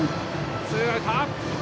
ツーアウト。